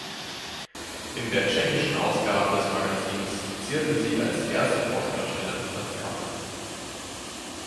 In der tschechischen Ausgabe des Magazins zierte sie als erste Pornodarstellerin das Cover.